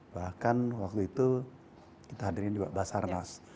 bahkan waktu itu kita hadirin juga basar nas